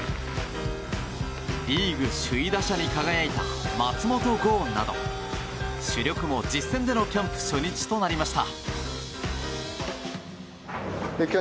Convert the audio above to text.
リーグ首位打者に輝いた松本剛など主力も実戦でのキャンプ初日となりました。